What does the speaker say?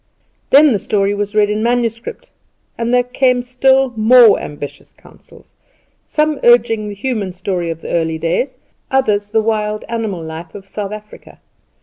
Then the story was read in manuscript and there were still more ambitious counsels, some urging the human story of the early days, others of the wild animal life of South Africa.